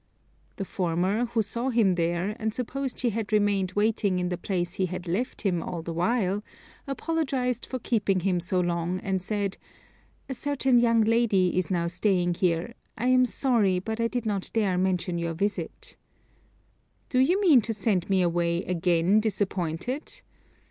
The former, who saw him there, and supposed he had remained waiting in the place he had left him all the while, apologized for keeping him so long, and said: "A certain young lady is now staying here; I am sorry, but I did not dare mention your visit." "Do you mean to send me away again disappointed?